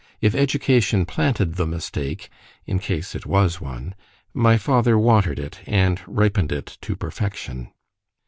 ——If education planted the mistake (in case it was one) my father watered it, and ripened it to perfection.